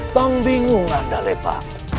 kau bingung ada lepa